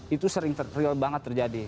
itu sering real banget terjadi